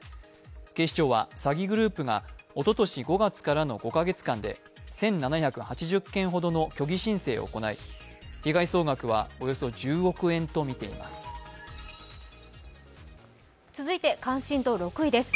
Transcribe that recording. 警視庁は、詐欺グループがおととし５月からの５カ月間で１７８０件ほどの虚偽申請を行い、被害総額はおよそ１０億円とみています。